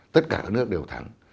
tất cả các nước đều thắng